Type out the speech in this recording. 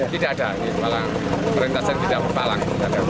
tidak ada di perlintasan tanpa palang